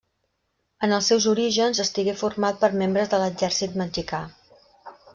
En els seus orígens estigué format per membres de l'exèrcit mexicà.